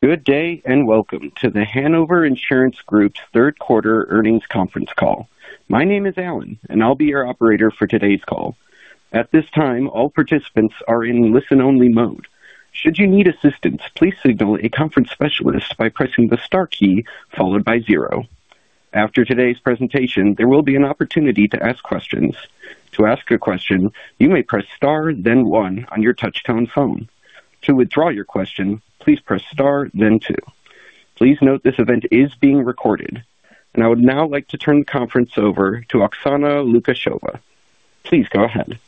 Good day and welcome to The Hanover Insurance Group's third quarter earnings conference call. My name is Alan and I'll be your operator for today's call. At this time, all participants are in listen-only mode. Should you need assistance, please signal a conference specialist by pressing the star key followed by zero. After today's presentation, there will be an opportunity to ask questions. To ask a question, you may press star then one on your touchtone phone. To withdraw your question, please press star then two. Please note this event is being recorded and I would now like to turn the conference over to Oksana Lukasheva. Please go ahead.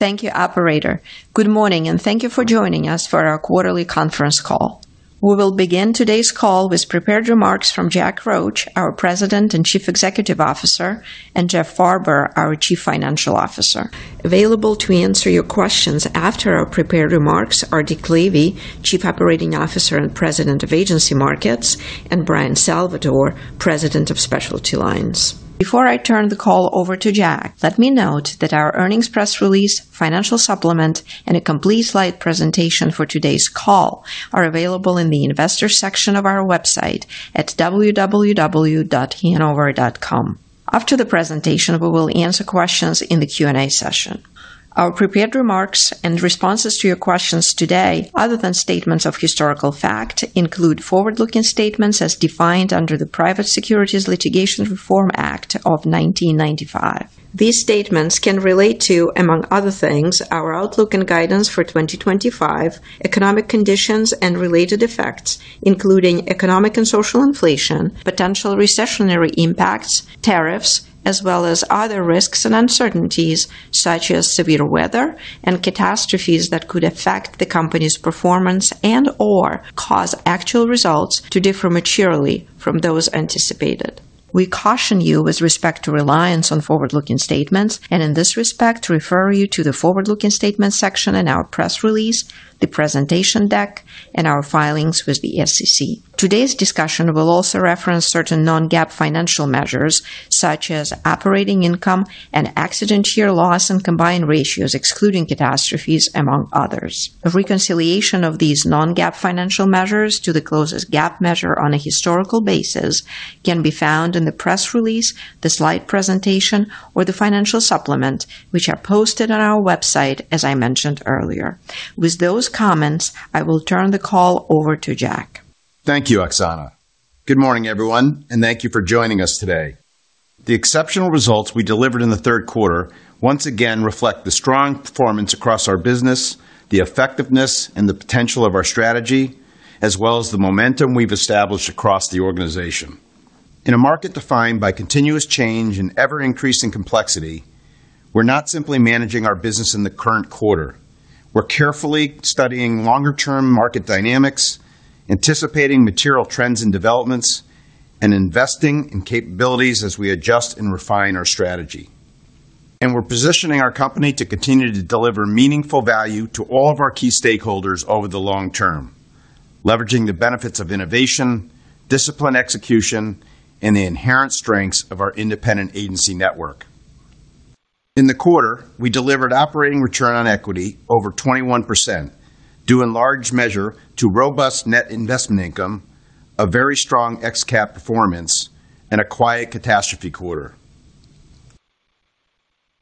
Thank you, operator. Good morning and thank you for joining us for our quarterly conference call. We will begin today's call with prepared remarks from Jack Roche, our President and Chief Executive Officer, and Jeffrey Farber, our Chief Financial Officer. Available to answer your questions after our prepared remarks are Richard Lavey, Chief Operating Officer and President of Agency Markets, and Bryan Salvatore, President of Specialty Lines. Before I turn the call over to Jack, let me note that our earnings press release, financial supplement, and a complete slide presentation for today's call are available in the Investors section of our website at www.hanover.com. After the presentation, we will answer questions in the Q and A session. Our prepared remarks and responses to your questions today, other than statements of historical fact, include forward-looking statements as defined under the Private Securities Litigation Reform Act of 1995. These statements can relate to, among other things, our outlook and guidance for 2025, economic conditions and related effects, including economic and social inflation, potential recessionary impacts, tariffs, as well as other risks and uncertainties such as severe weather and catastrophes that could affect the company's performance and/or cause actual results to differ materially from those anticipated. We caution you with respect to reliance on forward-looking statements and in this. Respectfully refer you to the forward looking. Statements section in our press release, the presentation deck, and our filings with the SEC. Today's discussion will also reference certain non-GAAP financial measures such as operating income and exit loss and combined ratios excluding catastrophes, among others. A reconciliation of these non-GAAP financial measures to the closest GAAP measure on. A historical basis can be found. The press release, the slide presentation, or the financial supplement, which are posted on our website. As I mentioned earlier, with those comments, I will turn the call over to Jack. Thank you, Oksana. Good morning everyone and thank you for joining us today. The exceptional results we delivered in the third quarter once again reflect the strong performance across our business, the effectiveness and the potential of our strategy as well as the momentum we've established across the organization. In a market defined by continuous change and ever-increasing complexity, we're not simply managing our business in the current quarter. We're carefully studying longer-term market dynamics, anticipating material trends and developments, and investing in capabilities as we adjust and refine our strategy. We're positioning our company to continue to deliver meaningful value to all of our key stakeholders over the long term, leveraging the benefits of innovation, disciplined execution, and the inherent strengths of our independent agency network. In the quarter we delivered operating return on equity over 21% due in large measure to robust net investment income, a very strong XCAP performance, and a quiet catastrophe quarter.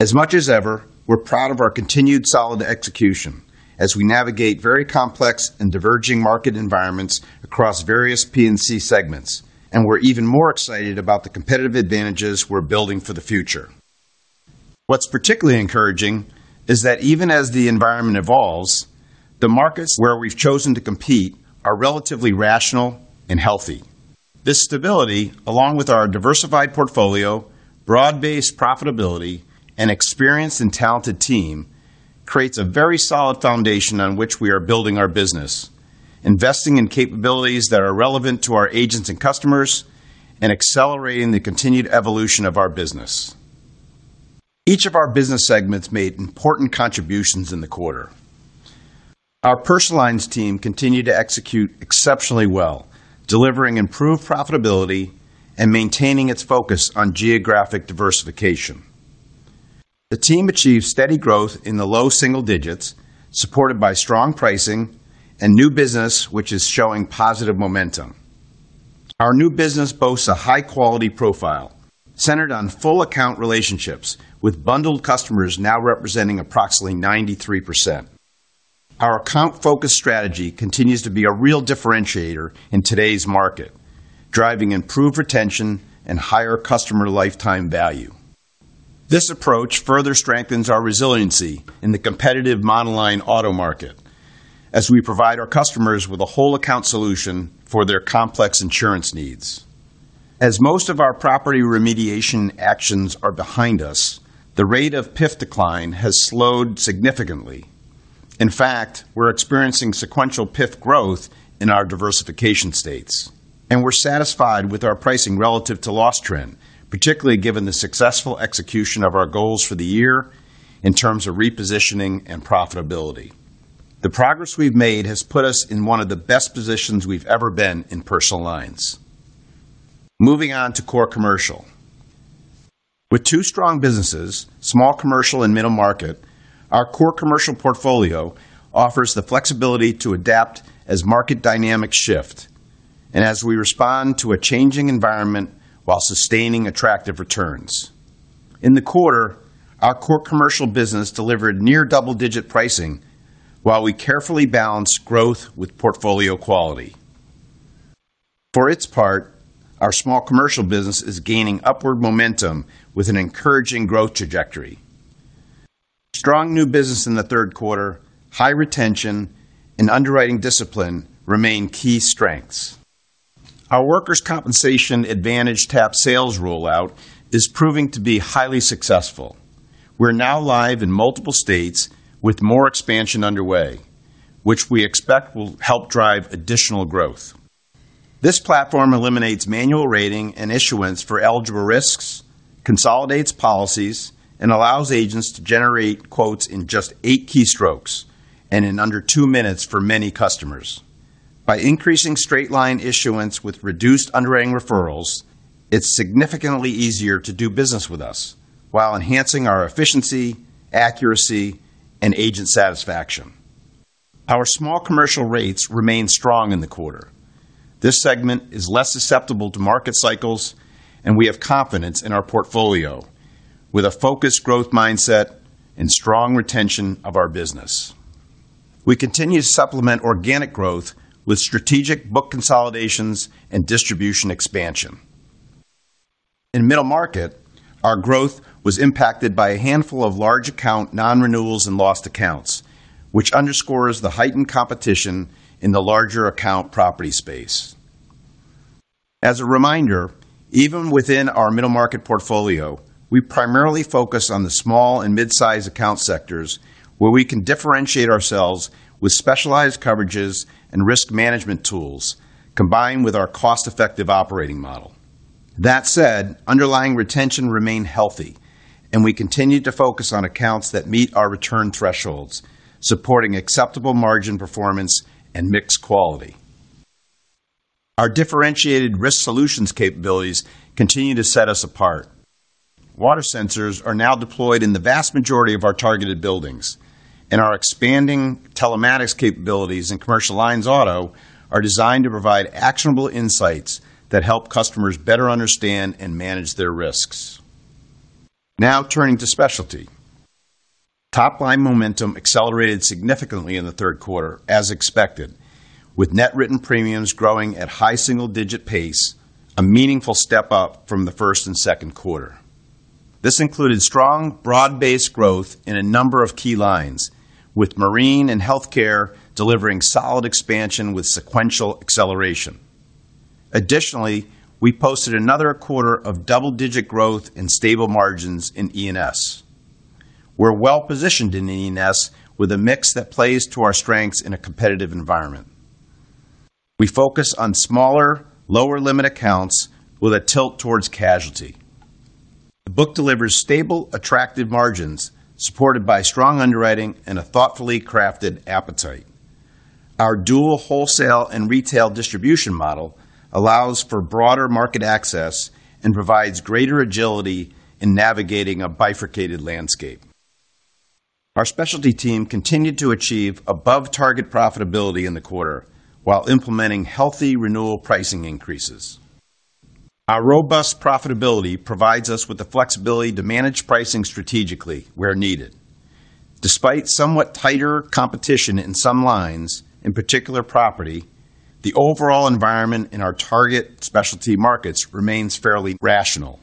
As much as ever, we're proud of our continued solid execution as we navigate very complex and diverging market environments across various P&C segments, and we're even more excited about the competitive advantages we're building for the future. What's particularly encouraging is that even as the environment evolves, the markets where we've chosen to compete are relatively rational and healthy. This stability, along with our diversified portfolio, broad-based profitability, and experienced and talented team, creates a very solid foundation on which we are building our business, investing in capabilities that are relevant to our agents and customers, and accelerating the continued evolution of our business. Each of our business segments made important contributions in the quarter. Our personal lines team continued to execute exceptionally well, delivering improved profitability and maintaining its focus on geographic diversification. The team achieved steady growth in the low single digits supported by strong pricing and new business which is showing positive momentum. Our new business boasts a high-quality profile centered on full account relationships with bundled customers now representing approximately 93%. Our account-focused strategy continues to be a real differentiator in today's market, driving improved retention and higher customer lifetime value. This approach further strengthens our resiliency in the competitive model line auto market as we provide our customers with a whole account solution for their complex insurance needs. As most of our property remediation actions are behind us, the rate of PIF decline has slowed significantly. In fact, we're experiencing sequential PIF growth in our diversification states, and we're satisfied with our pricing relative to loss trend, particularly given the successful execution of our goals for the year in terms of repositioning and profitability. The progress we've made has put us in one of the best positions we've ever been in. Personal Lines moving on to core commercial with two strong businesses, small commercial and middle market, our core commercial portfolio offers the flexibility to adapt as market dynamics shift and as we respond to a changing environment while sustaining attractive returns in the quarter. Our core commercial business delivered near double-digit pricing while we carefully balanced growth with portfolio quality. For its part, our small commercial business is gaining upward momentum with an encouraging growth trajectory. Strong new business in the third quarter, high retention, and underwriting discipline remain key strengths. Our workers compensation advantage tap sales rollout is proving to be highly successful. We're now live in multiple states with more expansion underway, which we expect will help drive additional growth. This platform eliminates manual rating and issuance for eligible risks, consolidates policies, and allows agents to generate quotes in just eight keystrokes and in under two minutes for many customers. By increasing straight line issuance with reduced underwriting referrals, it's significantly easier to do business with us while enhancing our efficiency, accuracy, and agent satisfaction. Our small commercial rates remained strong in the quarter. This segment is less susceptible to market cycles, and we have confidence in our portfolio with a focused growth mindset and strong retention of our business. We continue to supplement organic growth with strategic book consolidations and distribution expansion. In middle market, our growth was impacted by a handful of large account nonrenewals and lost accounts, which underscores the heightened competition in the larger account property space. As a reminder, even within our middle market portfolio we primarily focus on the small and mid-sized account sectors where we can differentiate ourselves with specialized coverages and risk management tools combined with our cost-effective operating model. That said, underlying retention remains healthy and we continue to focus on accounts that meet our return thresholds, supporting acceptable margin performance and mix quality. Our differentiated risk solutions capabilities continue to set us apart. Water sensors are now deployed in the vast majority of our targeted buildings and our expanding telematics capabilities in commercial lines. Auto are designed to provide actionable insights that help customers better understand and manage their risks. Now turning to specialty, top-line momentum accelerated significantly in the third quarter as expected, with net written premiums growing at a high single-digit pace, a meaningful step up from the first and second quarter. This included strong, broad-based growth in a number of key lines, with marine and healthcare delivering solid expansion with sequential acceleration. Additionally, we posted another quarter of double-digit growth and stable margins in E&S. We're well positioned in E&S with a mix that plays to our strengths. In a competitive environment, we focus on smaller, lower-limit accounts with a tilt towards casualty. The book delivers stable, attractive margins supported by strong underwriting and a thoughtfully crafted appetite. Our dual wholesale and retail distribution model allows for broader market access and provides greater agility in navigating a bifurcated landscape. Our specialty team continued to achieve above-target profitability in the quarter while implementing healthy renewal pricing increases. Our robust profitability provides us with the flexibility to manage pricing strategically where needed. Despite somewhat tighter competition in some lines, in particular property, the overall environment in our target specialty markets remains fairly rational.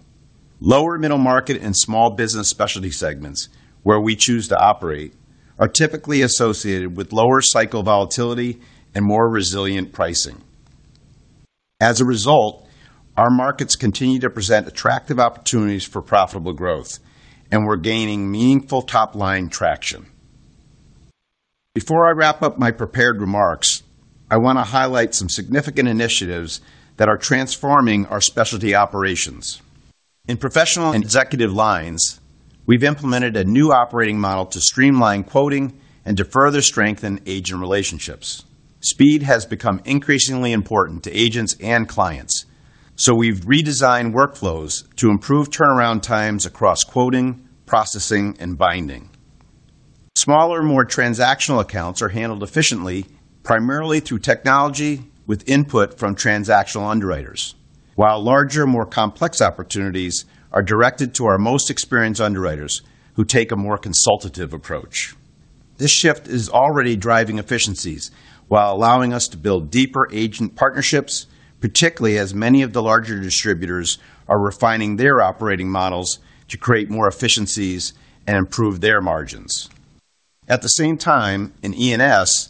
Lower middle market and small business specialty segments where we choose to operate are typically associated with lower cycle volatility and more resilient pricing. As a result, our markets continue to present attractive opportunities for profitable growth and we're gaining meaningful top-line traction. Before I wrap up my prepared remarks, I want to highlight some significant initiatives that are transforming our specialty operations in professional and executive lines. We've implemented a new operating model to streamline quoting and to further strengthen agent relationships. Speed has become increasingly important to agents and clients, so we've redesigned workflows to improve turnaround times across quoting, processing, and binding. Smaller, more transactional accounts are handled efficiently and primarily through technology with input from transactional underwriters, while larger, more complex opportunities are directed to our most experienced underwriters who take a more consultative approach. This shift is already driving efficiencies while allowing us to build deeper agent partnerships, particularly as many of the larger distributors are refining their operating models to create more efficiencies and improve their margins at the same time. In E&S,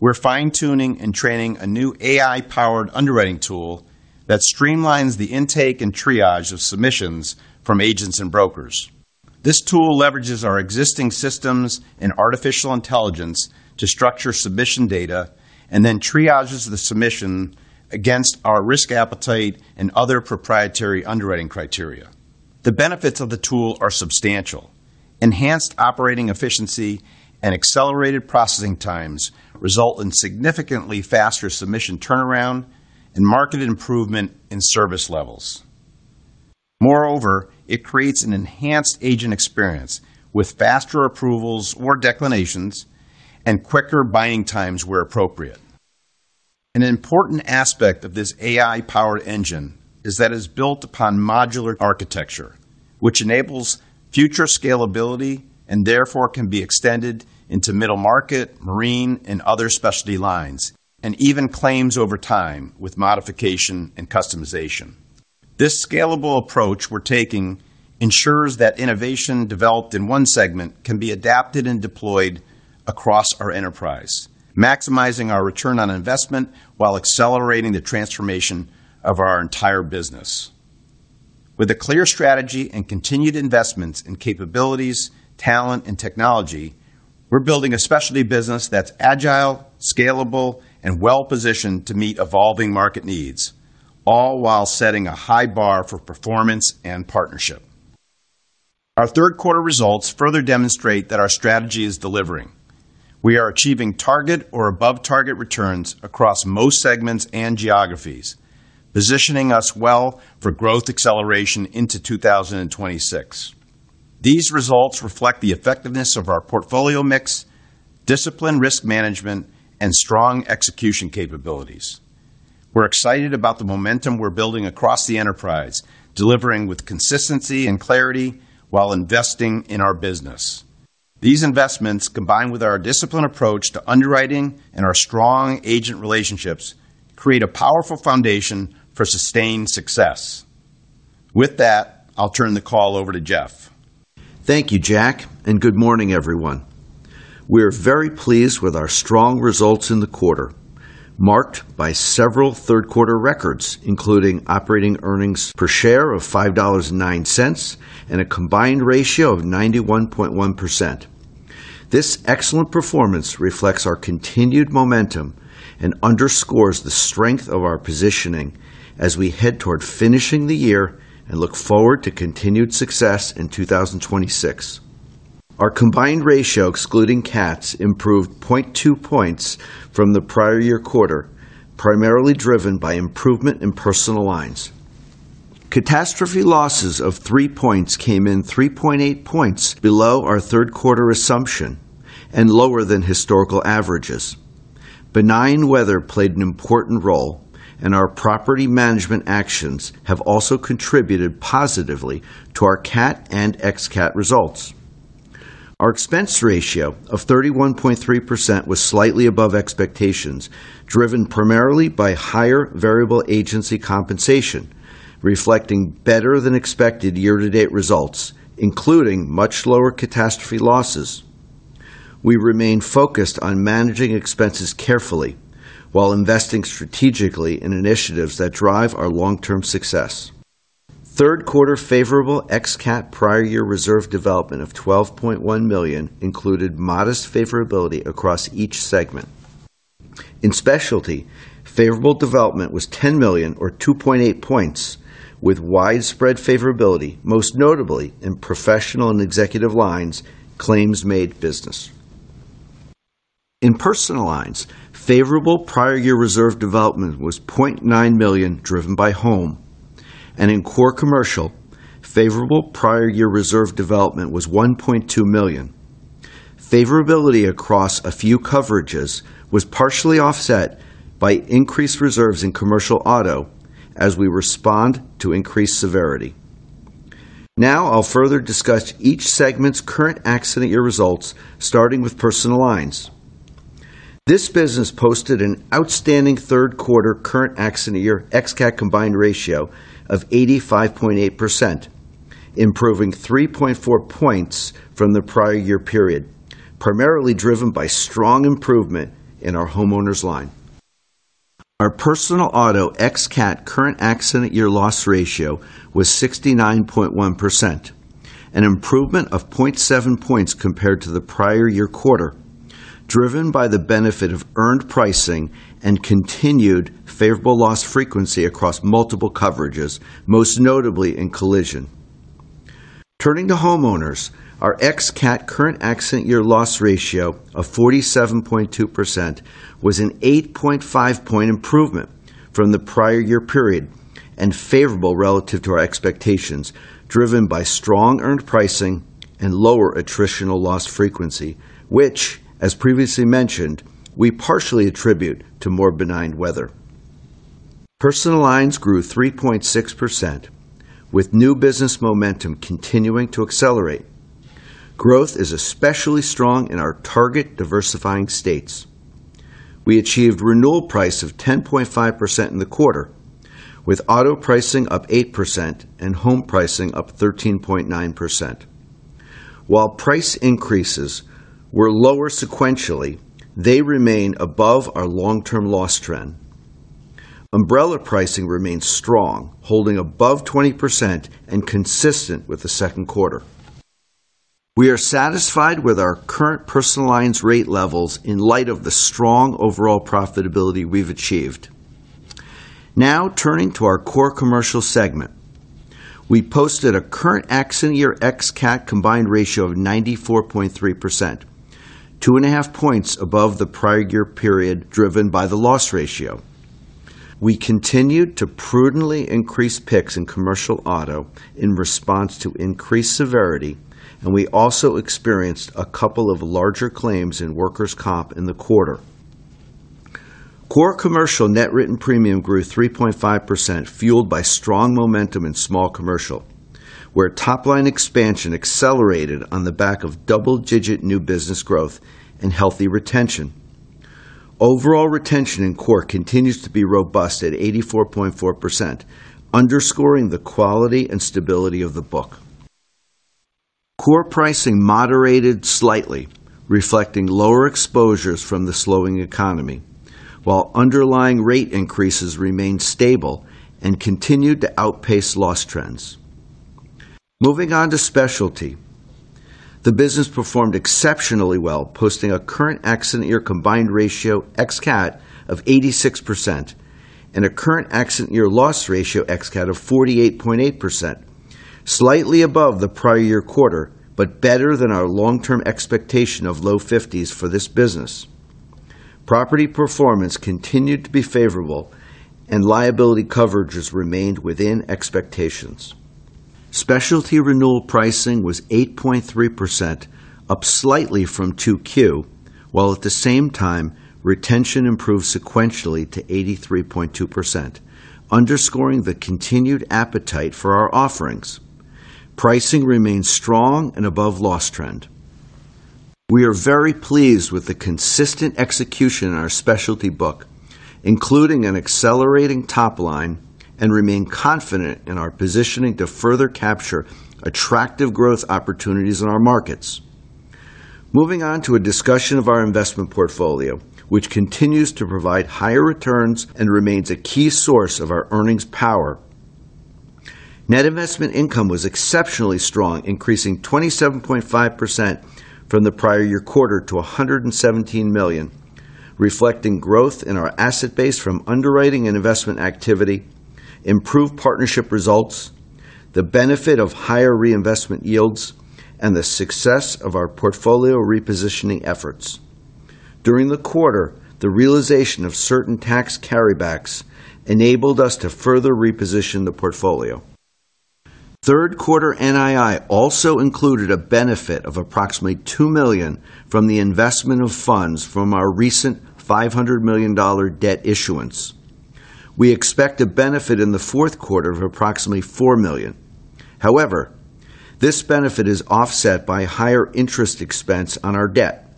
we're fine tuning and training a new AI-powered underwriting tool that streamlines the intake and triage of submissions from agents and brokers. This tool leverages our existing systems and artificial intelligence to structure submission data and then triages the submission against our risk appetite and other proprietary underwriting criteria. The benefits of the tool are substantial. Enhanced operating efficiency and accelerated processing times result in significantly faster submission turnaround and marked improvement in service levels. Moreover, it creates an enhanced agent experience with faster approvals or declinations and quicker binding times where appropriate. An important aspect of this AI-powered engine is that it is built upon modular architecture which enables future scalability and therefore can be extended into middle market, marine, and other specialty lines and even claims over time with modification and customization. This scalable approach we're taking ensures that innovation developed in one segment can be adapted and deployed across our enterprise, maximizing our return on investment while accelerating the transformation of our entire business. With a clear strategy and continued investments in capabilities, talent, and technology, we're building a specialty business that's agile, scalable, and well positioned to meet evolving market needs, all while setting a high bar for performance and partnership. Our third quarter results further demonstrate that our strategy is delivering. We are achieving target or above target returns across most segments and geographies, positioning us well for growth acceleration into 2026. These results reflect the effectiveness of our portfolio mix, disciplined risk management, and strong execution capabilities. We're excited about the momentum we're building across the enterprise, delivering with consistency and clarity while investing in our business. These investments, combined with our disciplined approach to underwriting and our strong agent relationships, create a powerful foundation for sustained success. With that, I'll turn the call over to Jeff. Thank you, Jack, and good morning, everyone. We are very pleased with our strong results in the quarter, marked by several third quarter records, including operating earnings per share of $5.09 and a combined ratio of 91.1%. This excellent performance reflects our continued momentum and underscores the strength of our positioning as we head toward finishing the year and look forward to continued success in 2026. Our combined ratio excluding cats improved 0.2 points from the prior year quarter, primarily driven by improvement in personal lines. Catastrophe losses of 3% came in 3.8 points below our third quarter assumption and lower than historical averages. Benign weather played an important role, and our property management actions have also contributed positively to our CAT and ex-CAT results. Our expense ratio of 31.3% was slightly above expectations, driven primarily by higher variable agency compensation reflecting better than expected year-to-date results, including much lower catastrophe losses. We remain focused on managing expenses carefully while investing strategically in initiatives that drive our long-term success. Third quarter favorable ex-CAT prior year reserve development of $12.1 million included modest favorability across each segment. In specialty, favorable development was $10 million or 2.8 points, with widespread favorability, most notably in professional and executive lines. Claims-made business in personal lines favorable prior year reserve development was $0.9 million, driven by home, and in core commercial, favorable prior year reserve development was $1.2 million. Favorability across a few coverages was partially offset by increased reserves in commercial auto. As we respond to increased severity now, I'll further discuss each segment's current accident year results, starting with personal lines. This business posted an outstanding third quarter current accident year ex-CAT combined ratio of 85.8%, improving 3.4 points from the prior year period, primarily driven by strong improvement in our homeowners line. Our personal auto ex-CAT current accident year loss ratio was 69.1%, an improvement of 0.7 points compared to the prior year quarter, driven by the benefit of earned pricing and continued favorable loss frequency across multiple coverages, most notably in collision. Turning to Homeowners, our ex-CAT current accident year loss ratio of 47.2% was an 8.5 point improvement from the prior year period and favorable relative to our expectations, driven by strong earned pricing and lower attritional loss frequency, which as previously mentioned we partially attribute to more benign weather. Personal Lines grew 3.6% with new business momentum continuing to accelerate. Growth is especially strong in our target diversifying states. We achieved renewal price of 10.5% in the quarter with auto pricing up 8% and home pricing up 13.9%. While price increases were lower sequentially, they remain above our long term loss trend. Umbrella pricing remains strong, holding above 20% and consistent with the second quarter. We are satisfied with our current Personal Lines rate levels in light of the strong overall profitability we've achieved. Now turning to our Core Commercial segment, we posted a current accident year ex-CAT combined ratio of 94.3%, 2.5 points above the prior year period, driven by the loss ratio. We continued to prudently increase picks in Commercial Auto in response to increased severity, and we also experienced a couple of larger claims in workers comp in the quarter. Core Commercial net written premium grew 3.5%, fueled by strong momentum in Small Commercial where top-line expansion accelerated on the back of decline, double-digit new business growth, and healthy retention. Overall retention in Core continues to be robust at 84.4%, underscoring the quality and stability of the book. Core pricing moderated slightly, reflecting lower exposures from the slowing economy, while underlying rate increases remained stable and continued to outpace loss trends. Moving on to Specialty, the business performed exceptionally well, posting a current accident year combined ratio of 86% and a current accident year loss ratio of 48.8%, slightly above the prior year quarter but better than our long term expectation of low 50s for this business. Property performance continued to be favorable and liability coverages remained within expectations. Specialty renewal pricing was 8.3%, up slightly from 2Q, while at the same time retention improved sequentially to 83.2%, underscoring the continued appetite for our offerings. Pricing remains strong and above loss trend. We are very pleased with the consistent execution in our specialty book, including an accelerating top line, and remain confident in our positioning to further capture attractive growth opportunities in our markets. Moving on to a discussion of our investment portfolio, which continues to provide higher returns and remains a key source of our earnings power. Net investment income was exceptionally strong, increasing 27.5% from the prior year quarter to $117 million, reflecting growth in our asset base from underwriting and investment activity, improved partnership results, the benefit of higher reinvestment yields, and the success of our portfolio repositioning efforts during the quarter. The realization of certain tax carrybacks enabled us to further reposition the portfolio. Third quarter NII also included a benefit of approximately $2 million from the investment of funds from our recent $500 million debt issuance. We expect a benefit in the fourth quarter of approximately $4 million. However, this benefit is offset by higher interest expense on our debt.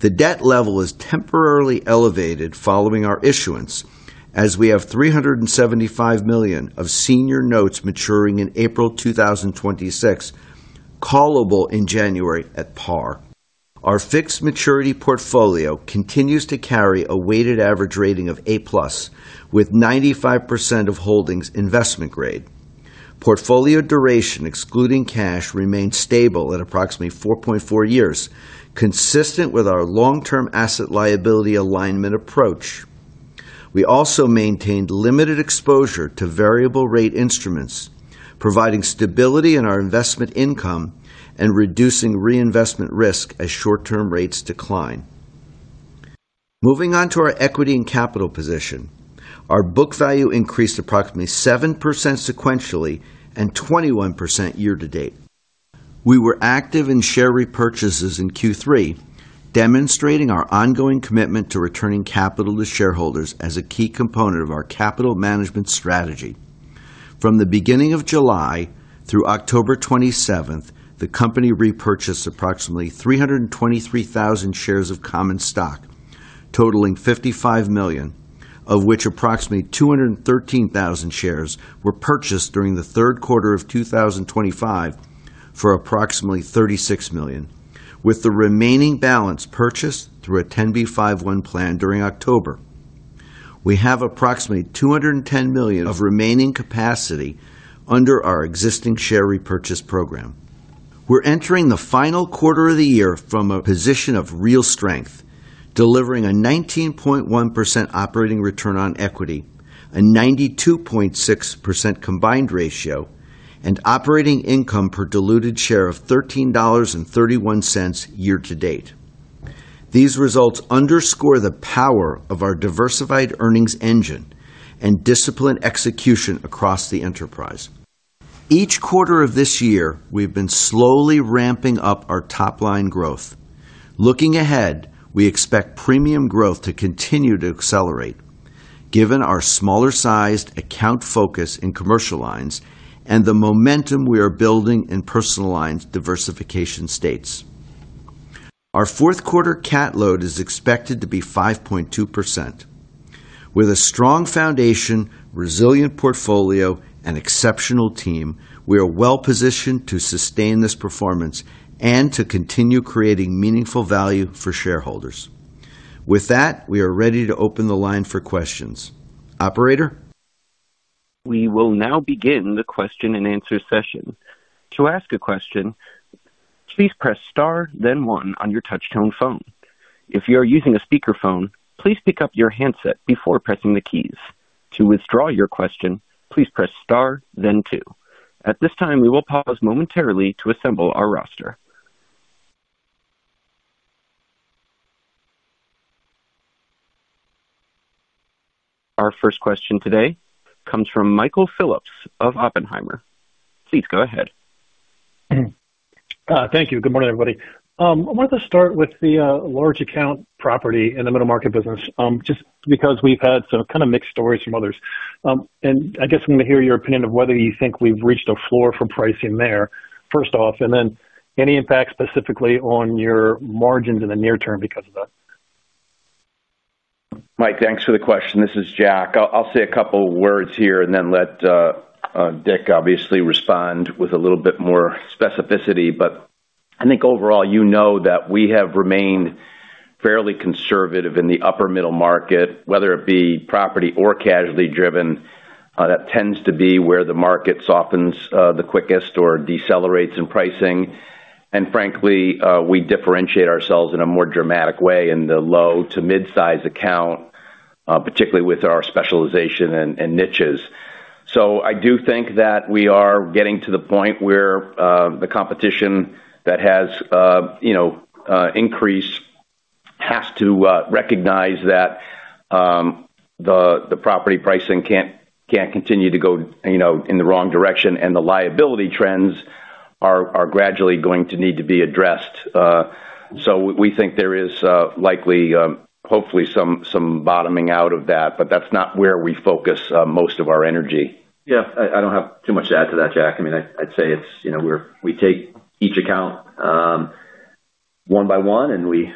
The debt level is temporarily elevated following our issuance, as we have $375 million of senior notes maturing in April 2026, callable in January at par. Our fixed maturity portfolio continues to carry a weighted average rating of A with 95% of holdings investment grade. Portfolio duration excluding cash remained stable at approximately 4.4 years, consistent with our long term asset liability alignment approach. We also maintained limited exposure to variable rate instruments, providing stability in our investment income and reducing reinvestment risk as short term rates decline. Moving on to our equity and capital position, our book value increased approximately 7% sequentially and 21% year to date. We were active in share repurchases in Q3, demonstrating our ongoing commitment to returning capital to shareholders as a key component of our capital management strategy. From the beginning of July through October 27th, the company repurchased approximately 323,000 shares of common stock totaling $55 million, of which approximately 213,000 shares were purchased during the third quarter of 2023 for approximately $36 million, with the remaining balance purchased through a 10b5-1 plan during October. We have approximately $210 million of remaining capacity under our existing share repurchase program. We're entering the final quarter of the year from a position of real strength, delivering a 19.1% operating return on equity, a 92.6% combined ratio, and operating income per diluted share of $13.31 year to date. These results underscore the power of our diversified earnings engine and disciplined execution across the enterprise. Each quarter of this year we've been slowly ramping up our top-line growth. Looking ahead, we expect premium growth to continue to accelerate given our smaller sized account focus in commercial lines and the momentum we are building in personal lines. Diversification states our fourth quarter cat load is expected to be 5.2%. With a strong foundation, resilient portfolio, and exceptional team, we are well positioned to sustain this performance and to continue creating meaningful value for shareholders. With that, we are ready to open the line for questions. Operator. We will now begin the question and answer session. To ask a question, please press star then one on your touchtone phone. If you are using a speakerphone, please pick up your handset before pressing the keys. To withdraw your question, please press star then two. At this time, we will pause momentarily to assemble our roster. Our first question today comes from Michael Phillips of Oppenheimer. Please go ahead. Thank you. Good morning everybody. I wanted to start with the large account property in the middle market business just because we've had some kind of mixed stories from others and I guess I'm going to hear your opinion of whether you think we've reached a floor for pricing there first off and then any impact specifically on your margins in the near term because of that. Mike, thanks for the question. This is Jack. I'll say a couple words here and then let Dick obviously respond with a little bit more specificity. I think overall, you know that we have remained fairly conservative in the upper middle market, whether it be property or casualty driven. That tends to be where the market softens the quickest or decelerates in pricing. Frankly, we differentiate ourselves in a more dramatic way in the low to mid size account, particularly with our specialization and niches. I do think that we are getting to the point where the competition that has, you know, increased has to recognize that the property pricing can't continue to go in the wrong direction and the liability trends are gradually going to need to be addressed. We think there is likely, hopefully some bottoming out of that, but that's not where we focus most of our energy. Yeah, I don't have too much to add to that, Jack. I'd say it's, you know, we take each account one by one and we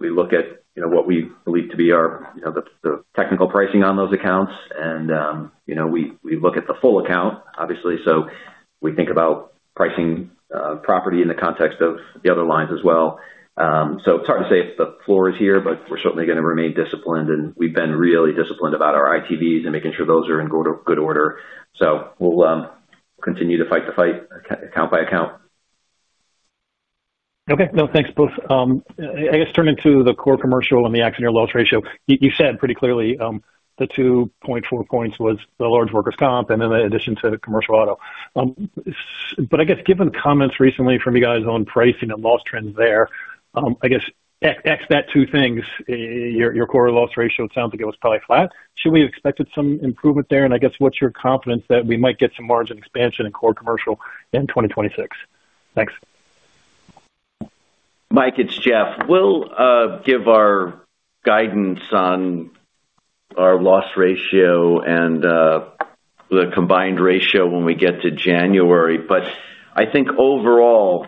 look at what we believe to be the technical pricing on those accounts and we look at the full account obviously. We think about pricing property in the context of the other lines as well. It's hard to say if the floor is here, but we're certainly going to remain disciplined and we've been really disciplined about our ITVs and making sure those are in good order. We'll continue to fight the fight account by account. Okay. No, thanks. Both, I guess turning to the core commercial and the accidental loss ratio, you said pretty clearly the 2.4 points was the large workers comp and in addition to commercial auto. I guess given comments recently from you guys on pricing and loss trends there, I guess x that two things, your core loss ratio, it sounds like it was probably flat. Should we have expected some improvement there and I guess what's your confidence that we might get some margin expansion in core commercial in 2026? Thanks. Mike. It's Jeff. We'll give our guidance on our loss ratio and the combined ratio when we get to January. I think overall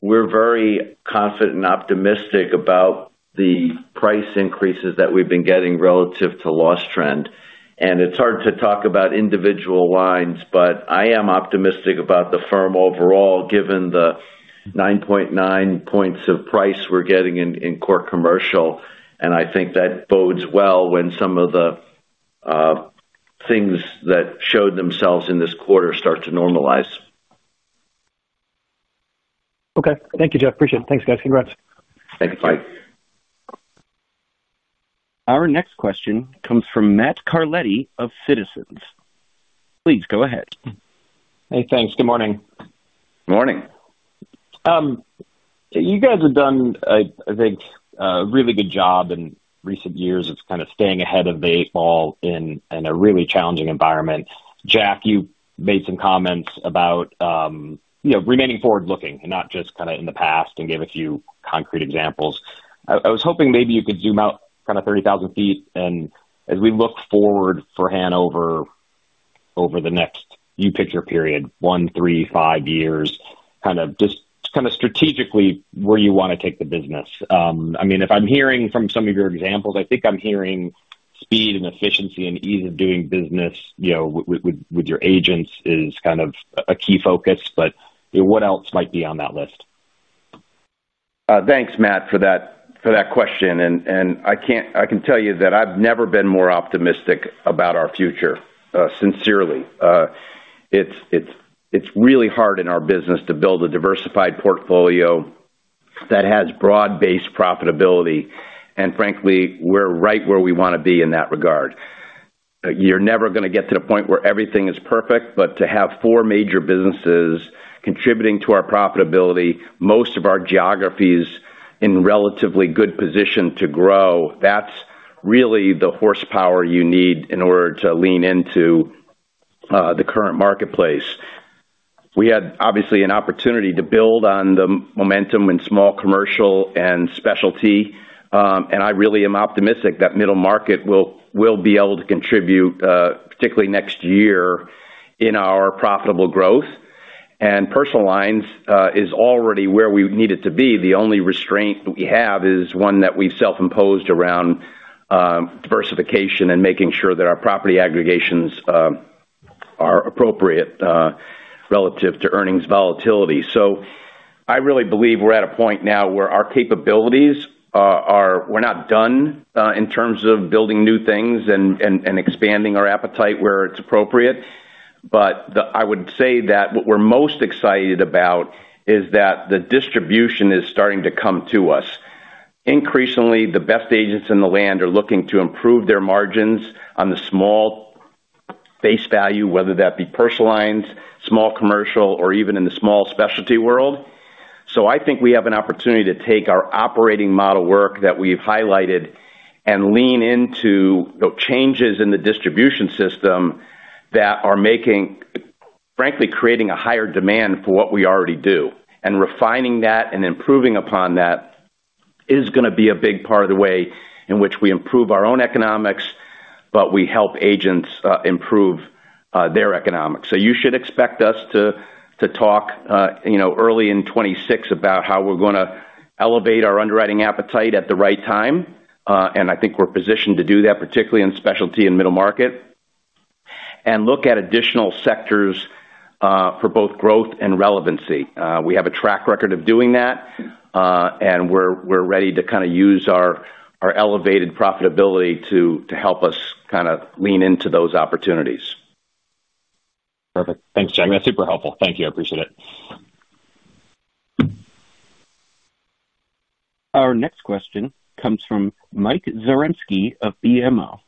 we're very confident and optimistic about the price increases that we've been getting relative to loss trend. It's hard to talk about individual lines, but I am optimistic about the firm overall given the 9.9 points of price we're getting in core commercial. I think that bodes well when some of the things that showed themselves in this quarter start to normalize. Okay, thank you, Jeff. Appreciate it. Thanks guys. Congrats. Thanks, Mike. Our next question comes from Matt Carletti of Citizens. Please go ahead. Hey, thanks. Good morning. Morning. You guys have done, I think, a really good job in recent years. It's kind of staying ahead of the eight ball in a really challenging environment. Jack, you made some comments about, you know, remaining forward looking and not just kind of in the past and gave a few concrete examples. I was hoping maybe you could zoom out kind of 30,000 ft. As we look forward for Hanover over the next, you pick your period, one, three, five years, kind of just strategically where you want to take the business. I mean if I'm hearing from some of your examples, I think I'm hearing speed and efficiency and ease of doing business with your agents is kind of a key focus. What else might be on that list? Thanks Matt for that, for that question. I can tell you that I've never been more optimistic about our future. Sincerely, it's really hard in our business to build a diversified portfolio that has broad based profitability. Frankly, we're right where we want to be in that regard. You're never going to get to the point where everything is perfect. To have four major businesses contributing to our profitability, most of our geographies in relatively good position to grow, that's really the horsepower you need in order to lean into the current marketplace. We had obviously an opportunity to build on the momentum in small commercial and specialty. I really am optimistic that middle market will be able to contribute, particularly next year in our profitable growth, and personal lines is already where we need it to be. The only restraint we have is one that we've self-imposed around diversification and making sure that our property aggregations are appropriate relative to earnings volatility. I really believe we're at a point now where our capabilities are, we're not done in terms of building new things and expanding our appetite where it's appropriate. I would say that what we're most excited about is that the distribution is starting to come to us. Increasingly, the best agents in the land are looking to improve their margins on the small face value, whether that be personal lines, small commercial, or even in the small specialty world. I think we have an opportunity to take our operating model work that we've highlighted and lean into changes in the distribution system that are, frankly, creating a higher demand for what we already do. Refining that and improving upon that is going to be a big part of the way in which we improve our own economics. We help agents improve their economics. You should expect us to talk early in 2026 about how we're going to elevate our underwriting appetite at the right time. I think we're positioned to do that, particularly in specialty and middle market, and look at additional sectors for both growth and relevancy. We have a track record of doing that and we're ready to use our elevated profitability to help us lean into those opportunities. Perfect. Thanks, Jack. That's super helpful. Thank you. I appreciate it. Our next question comes from Mike Zaremski of BMO.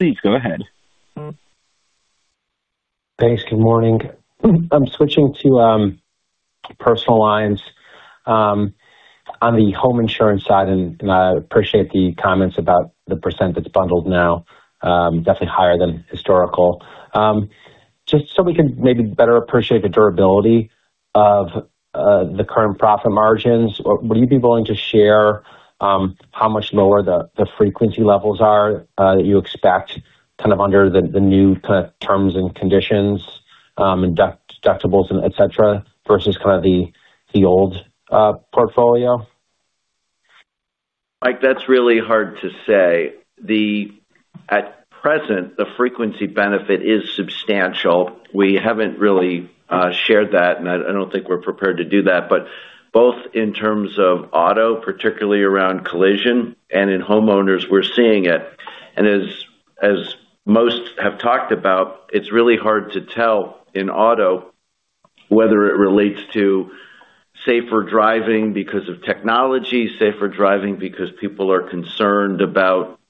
Please go ahead. Thanks. Good morning. I'm switching to personal lines on the home insurance side and I appreciate the comments about the percentage that's bundled now. Definitely higher than historical. Just so we can maybe better appreciate the durability of the current profit margins, would you be willing to share how much lower the frequency levels are that you expect, kind of under the new terms and conditions and deductibles, et cetera, versus the old portfolio? Mike, that's really hard to say. At present, the frequency benefit is substantial. We haven't really shared that and I don't think we're prepared to do that. Both in terms of auto, particularly around collision, and in homeowners, we're seeing it. As most have talked about, it's really hard to tell in auto whether it relates to safer driving because of technology, safer driving because people are concerned about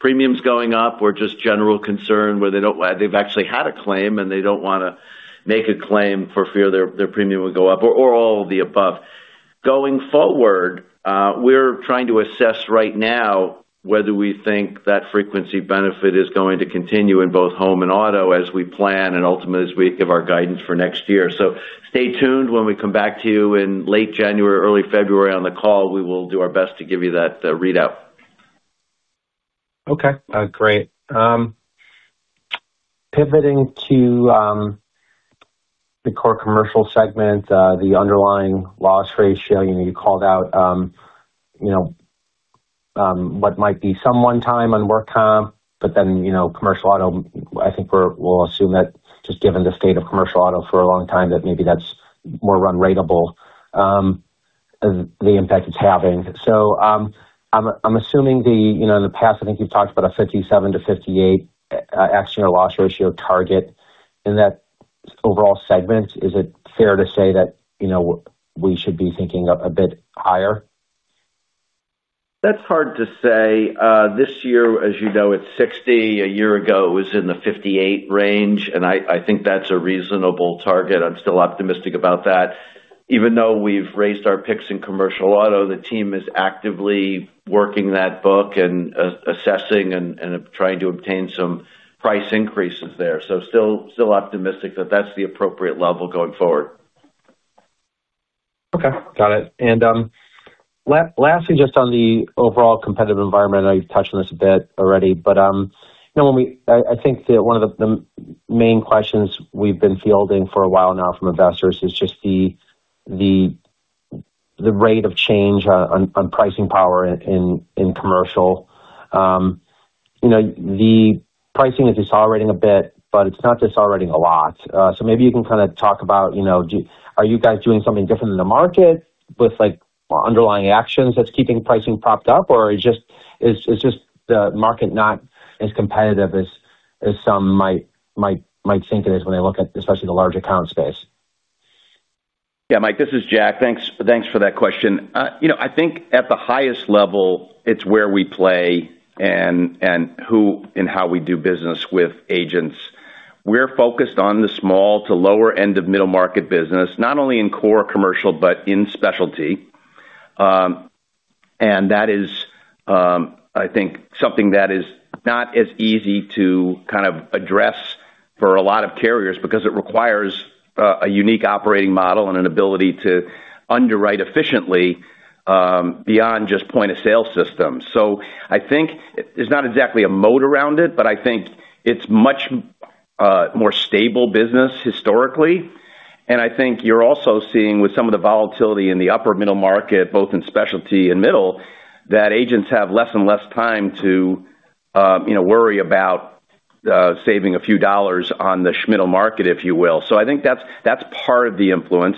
premiums going up, or just general concern where they don't. They've actually had a claim and they don't want to make a claim for fear their premium would go up, or all the above going forward. We're trying to assess right now whether we think that frequency benefit is going to continue in both home and auto as we plan and ultimately as we give our guidance for next year. Stay tuned when we come back to you in late January, early February, on the call. We will do our best to give you that readout. Okay, great. Pivoting to the core commercial segment, the underlying loss ratio, you called out what might be some one-time on work comp, but then commercial auto. I think we'll assume that just given the state of commercial auto for a long time that maybe that's more run-rateable, the impact it's having. I'm assuming that in the past I think you've talked about a 57 to 58 action or loss ratio target in that overall segment. Is it fair to say that we should be thinking a bit higher? That's hard to say. This year, as you know, it's 60. A year ago it was in the 58 range and I think that's a reasonable target. I'm still optimistic about that. Even though we've raised our picks in commercial auto, the team is actively working that book and assessing and trying to obtain some price increases there. Still optimistic that that's the appropriate level going forward. Okay, got it. Lastly, just on the overall competitive environment, I know you've touched on this a bit already, but I think that one of the main questions we've been fielding for a while now from investors is just the rate of change on pricing power in commercial. The pricing is decelerating a bit, but it's not decelerating a lot. Maybe you can kind of talk about are you guys doing something different in the market with underlying actions that's keeping pricing propped up or is just the market not as competitive as some might think it is when they look at especially the large account space? Yeah, Mike, this is Jack. Thanks for that question. I think at the highest level it's where we play and who and how we do business with agents. We're focused on the small to lower end of middle market business, not only in core commercial, but in specialty. That is, I think, something that is not as easy to address for a lot of carriers because it requires a unique operating model and an ability to underwrite efficiently beyond just point of sale systems. I think there's not exactly a moat around it, but I think it's much more stable business historically. I think you're also seeing with some of the volatility in the upper middle market, both in specialty and middle, that agents have less and less time to, you know, worry about saving a few dollars on the Schmittal market, if you will. I think that's part of the influence.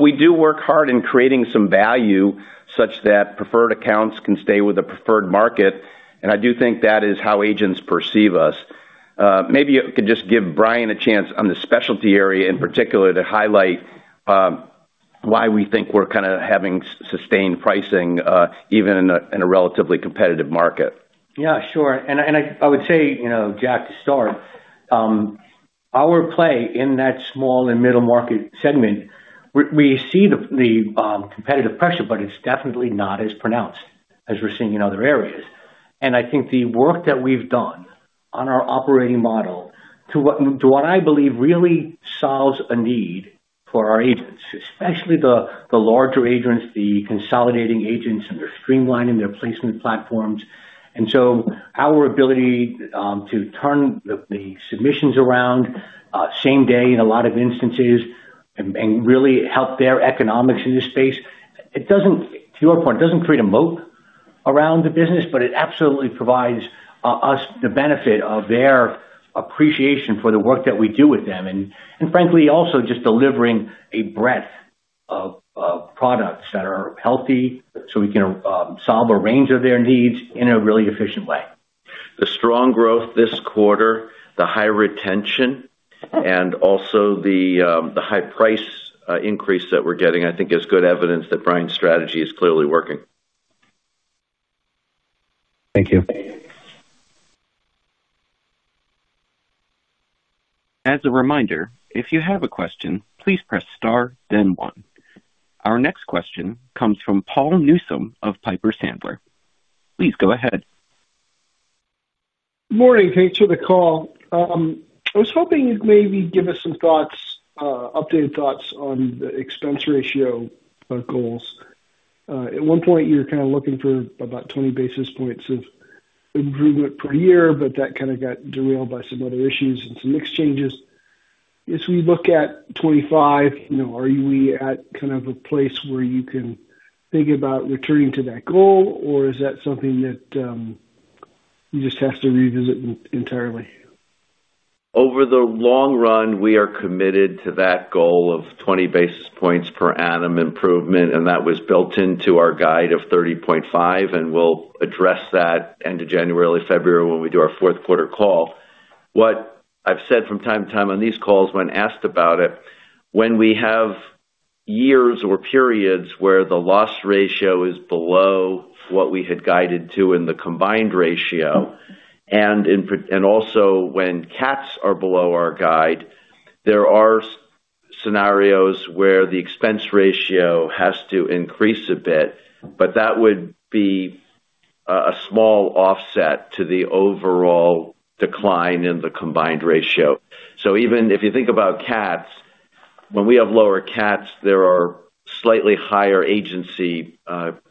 We do work hard in creating some value such that preferred accounts can stay with the preferred market. I do think that is how agents perceive us. Maybe you could just give Bryan a chance on the specialty area in particular to highlight why we think we're kind of having sustained pricing even in a relatively competitive market. Yeah, sure. I would say, you know, Jack, to start our play in that small and middle market segment, we see the competitive pressure, but it's definitely not as pronounced as we're seeing in other areas. I think the work that we've done on our operating model to what I believe really solves a need for our agents, especially the larger agents, the consolidating agents, and they're streamlining their placement platforms. Our ability to turn the submissions around same day in a lot of instances and really help their economics in this space. It doesn't, to your point, create a moat around the business, but it absolutely provides us the benefit of their appreciation for the work that we do with them. Frankly, also just delivering a breadth of products that are healthy so we can solve a range of their needs in a really efficient way. The strong growth this quarter, the high retention and also the high price increase that we're getting, I think is good evidence that Bryan's strategy is clearly working. Thank you. As a reminder, if you have a question, please press star. Our next question comes from Paul Newsome of Piper Sandler. Please go ahead. Morning. Thanks for the call. I was hoping you'd maybe give us some thoughts, updated thoughts on the expense ratio goals. At one point, you're kind of looking for about 20 basis points of improvement per year, but that kind of got derailed by some other issues and some mixed changes. As we look at 2025, are we at kind of a place where you can think about returning to that goal, or is that something that you just have to revisit entirely. Over the long run? We are committed to that goal of 20 basis points per annum improvement. That was built into our guide of 30.5. We'll address that end of January, February when we do our fourth quarter call. What I've said from time to time on these calls, when asked about it, when we have years or periods where the loss ratio is below what we had guided to in the combined ratio, and also when cats are below our guide, there are scenarios where the expense ratio has to increase a bit, but that would be a small offset to the overall decline in the combined ratio. Even if you think about cats, when we have lower cats, there are slightly higher agency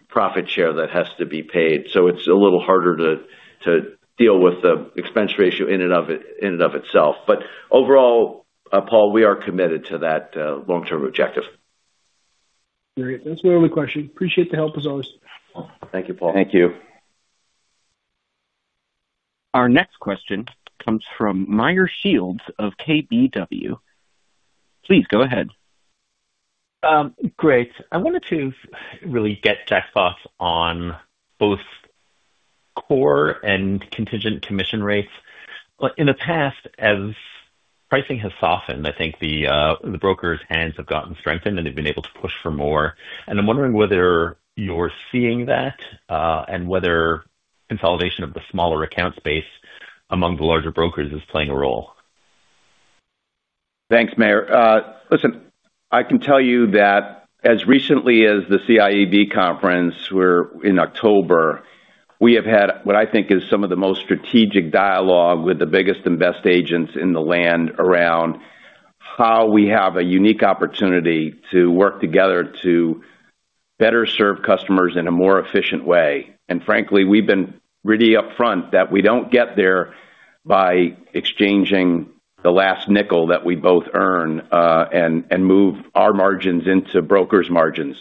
profit share that has to be paid. It's a little harder to deal with the expense ratio in and of itself. Overall, Paul, we are committed to that long term objective. That's my only question. Appreciate the help as always. Thank you, Paul. Thank you. Our next question comes from Meyer Shields of KBW. Please go ahead. Great. I wanted to really get Jack thoughts on both core and contingent commission rates. In the past, as pricing has softened, I think the brokers' hands have gotten strengthened and they've been able to push for more. I'm wondering whether you're seeing that and whether consolidation of the smaller account space among the larger brokers is playing a role. Thanks, Meyer. Listen, I can tell you that as recently as the CIEB conference in October, we have had what I think is some of the most strategic dialogue with the biggest and best agents in the land around how we have a unique opportunity to work together to better serve customers in a more efficient way. Frankly, we've been really upfront that we don't get there by exchanging the last nickel that we both earn and move our margins into brokers' margins.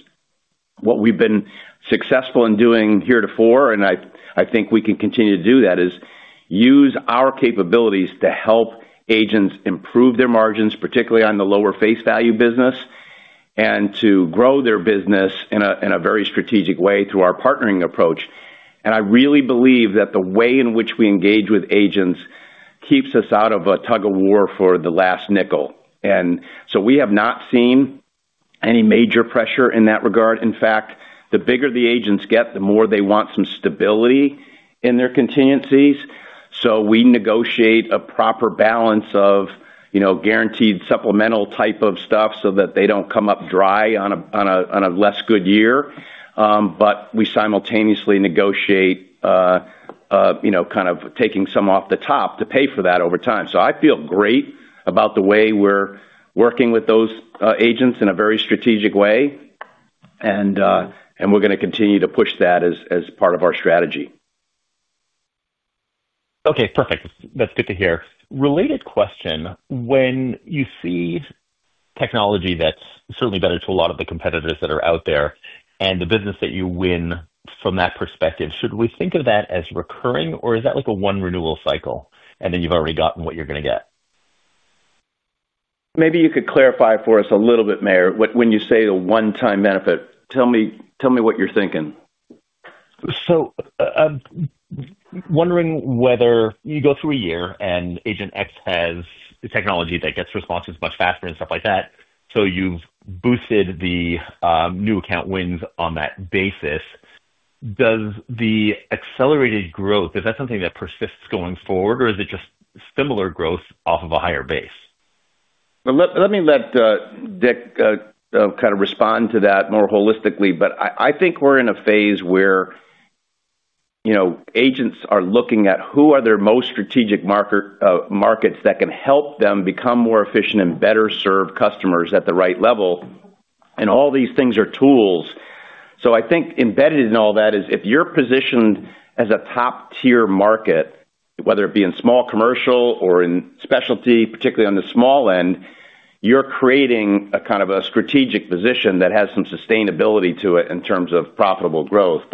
What we've been successful in doing heretofore, and I think we can continue to do that, is use our capabilities to help agents improve their margins, particularly on the lower face value business, and to grow their business in a very strategic way through our partnering approach. I really believe that the way in which we engage with agents keeps us out of a tug of war for the last nickel. We have not seen any major pressure in that regard. In fact, the bigger the agents get, the more they want some stability in their contingencies. We negotiate a proper balance of, you know, guaranteed supplemental type of stuff so that they don't come up dry on a less good year. We simultaneously negotiate, you know, kind of taking some off the top to pay for that over time. I feel great about the way we're working with those agents in a very strategic way, and we're going to continue to push that as part of our strategy. Okay, perfect. That's good to hear. Related question, when you see technology that's certainly better to a lot of the competitors that are out there and the business that you win from that perspective, should we think of that as recurring or is that like a one renewal cycle and then you've already gotten what you're going to get? Maybe you could clarify for us a little bit. Meyer, when you say a one time benefit, tell me what you're thinking. Wondering whether you go through a year and Agent X has the technology that gets responses much faster and stuff like that, so you've boosted the new account wins on that basis. Does the accelerated growth, is that something that persists going forward or is it just similar growth off of a higher base? Let me let Richard Lavey kind of respond to that more holistically, but I think we're in a phase where agents are looking at who are their most strategic markets that can help them become more efficient and better serve customers at the right level. All these things are tools. I think embedded in all that is if you're positioned as a top tier market, whether it be in small commercial or in specialty, particularly on the small end, you're creating a kind of a strategic position that has some sustainability to it in terms of profitable growth.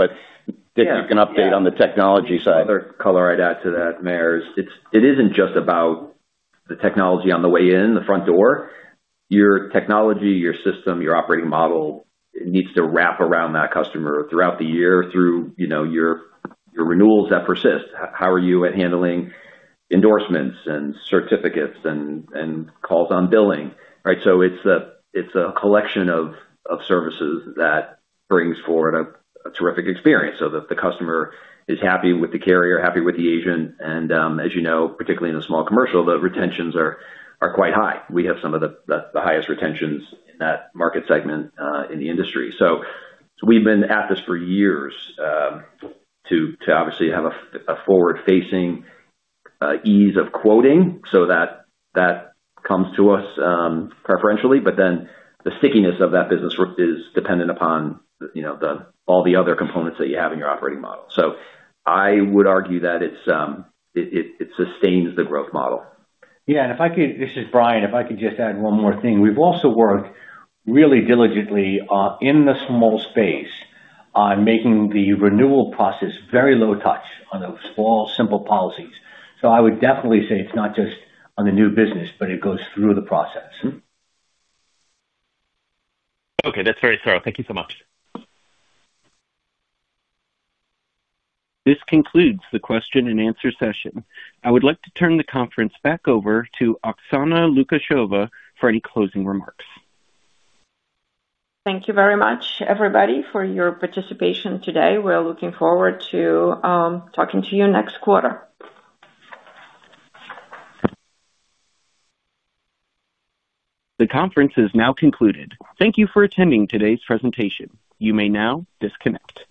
You can update on the technology side. The color I'd add to that, Mayor, is it isn't just about the technology on the way in the front door. Your technology, your system, your operating model needs to wrap around that customer throughout the year through your renewals that persist. How are you at handling endorsements and certificates and calls on billing? It's a collection of services that brings forward a terrific experience so that the customer is happy with the carrier, happy with the agent. As you know, particularly in small commercial, the retentions are quite high. We have some of the highest retentions in that market segment in the industry. We've been at this for years to obviously have a forward facing ease of quoting, so that comes to us preferentially. The stickiness of that business is dependent upon all the other components that you have in your operating model. I would argue that it sustains the growth model. Yeah, if I could just add one more thing. We've also worked really diligently in the small space on making the renewal process very low touch on those small, simple policies. I would definitely say it's not just on the new business, but it goes through the process. Okay, that's very thorough. Thank you so much. This concludes the question and answer session. I would like to turn the conference back over to Oksana Lukasheva for any closing remarks. Thank you very much everybody for your participation today. We're looking forward to talking to you next quarter. The conference is now concluded. Thank you for attending today's presentation. You may now disconnect.